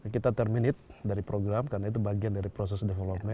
kita terminate dari program karena itu bagian dari proses development